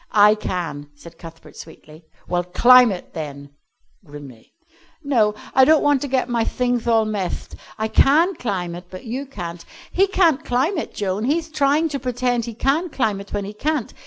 "I can," said Cuthbert sweetly. "Well, climb it then," grimly. "No, I don't want to get my thingth all methed. I can climb it, but you can't. He can't climb it, Joan, he'th trying to pretend he can climb it when he can't.